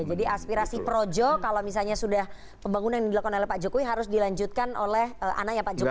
jadi aspirasi projo kalau misalnya sudah pembangunan yang dilakukan oleh pak jokowi harus dilanjutkan oleh anaknya pak jokowi gitu